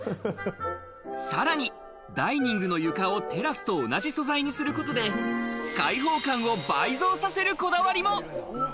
さらにダイニングの床をテラスと同じ素材にすることで、開放感を倍増させるこだわりも！